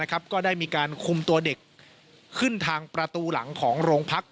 ก็ได้มีการคุมตัวเด็กขึ้นทางประตูหลังของโรงพัก